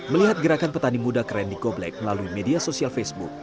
melihat gerakan petani muda keren di goblag melalui media sosial facebook